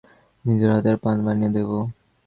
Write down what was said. নিজের হাতে পান বানিয়ে দেব।